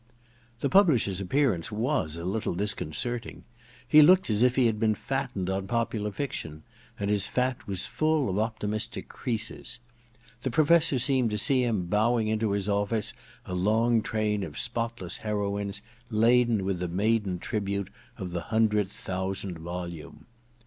The publisher's appearance was a little dis concerting. He looked as if he had been fattened on popular fiction ; and his fat was full of optimistic creases. The Professor seemed to see him bowing into the office a long train of spotless heroines laden with the maiden tribute of the hundredth thousand volume.